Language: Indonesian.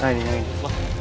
nah ini nah ini